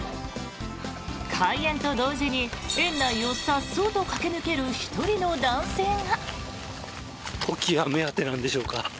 開園と同時に園内をさっそうと駆け抜ける１人の男性が。